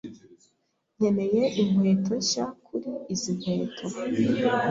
Nkeneye inkweto nshya kuri izi nkweto.